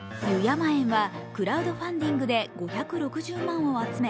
油山苑はクラウドファンディングで５６０万円を集め